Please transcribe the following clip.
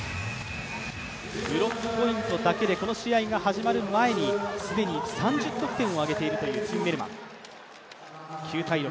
ブロックポイントだけでこの試合が始まる前に既に３０得点を挙げているというティンメルマン。